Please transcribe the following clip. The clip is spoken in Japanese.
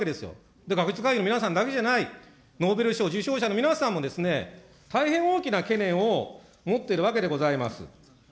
だから学術会議の皆さんだけじゃない、ノーベル賞受賞者の皆さんも、大変大きな懸念を持っているわけでございます。